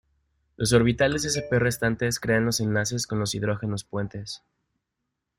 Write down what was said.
Los orbitales sp restantes crean los enlaces con los hidrógenos puentes.